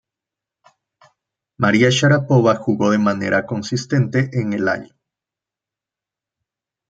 María Sharápova jugó de manera consistente en el año.